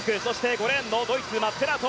５レーンのドイツ、マッツェラート。